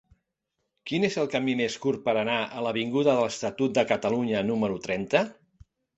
Quin és el camí més curt per anar a l'avinguda de l'Estatut de Catalunya número trenta?